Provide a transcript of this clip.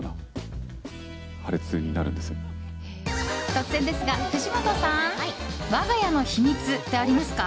突然ですが、藤本さん。我が家の秘密ってありますか？